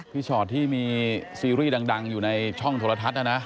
ชอตที่มีซีรีส์ดังอยู่ในช่องโทรทัศน์นะนะ